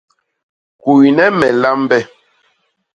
Kwiyne me lambe.